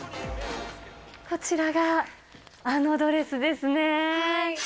こちらがあのドレスですね。